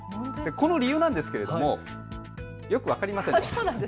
この理由なんですがよく分かりませんでした。